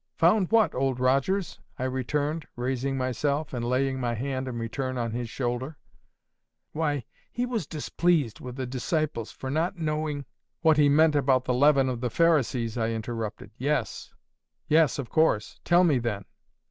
"Found what, Old Rogers?" I returned, raising myself, and laying my hand in return on his shoulder. "Why He was displeased with the disciples for not knowing—" "What He meant about the leaven of the Pharisees," I interrupted. "Yes, yes, of course. Tell me then."